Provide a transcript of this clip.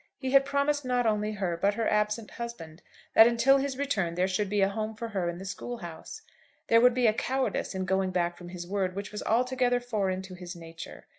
He had promised not only her, but her absent husband, that until his return there should be a home for her in the school house. There would be a cowardice in going back from his word which was altogether foreign to his nature.